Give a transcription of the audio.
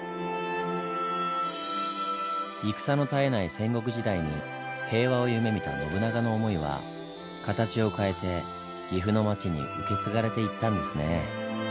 戦の絶えない戦国時代に平和を夢見た信長の思いは形を変えて岐阜の町に受け継がれていったんですねぇ。